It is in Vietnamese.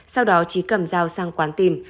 sau đó trí cầm dao sang quán tìm